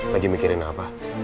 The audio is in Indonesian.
lagi mikirin apa